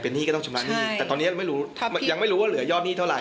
เป็นหนี้ก็ต้องจำนวนหนี้แต่ตอนนี้ยังไม่รู้ว่าเหลือยอดหนี้เท่าไหร่